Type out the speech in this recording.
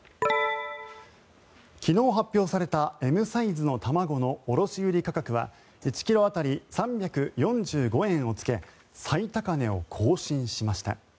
昨日発表されたＭサイズの卵の卸売価格は１ｋｇ当たり３４５円をつけ最高値を更新しました。